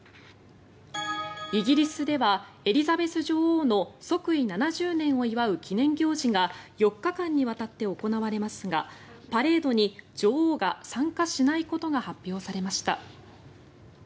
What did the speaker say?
イギリスではエリザベス女王の即位７０年を祝う記念行事が４日間にわたって行われますがパレードに女王が参加しないことが発表されました。